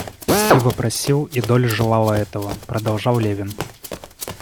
Стива просил, и Долли желала этого, — продолжал Левин.